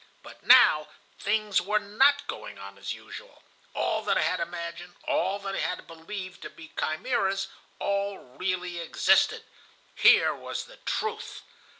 But now things were not going on as usual. All that I had imagined, all that I believed to be chimeras, all really existed. Here was the truth.